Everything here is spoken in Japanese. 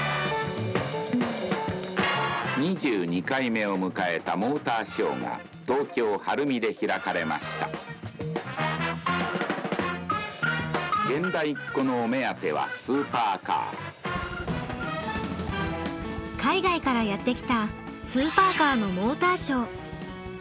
２２回目を迎えたモーターショーが東京・晴海で開かれました現代っ子のお目当てはスーパーカー海外からやって来たスーパーカーのモーターショー。